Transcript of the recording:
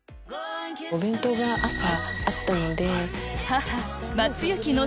お弁当が朝あったので。